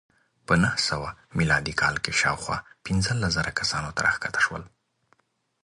په نهه سوه میلادي کال کې شاوخوا پنځلس زره کسانو ته راښکته شول